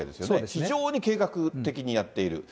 非常に計画的にやっている。